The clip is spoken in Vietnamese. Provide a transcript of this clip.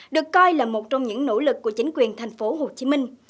được coi là một trong những nỗ lực của chính quyền thành phố hồ chí minh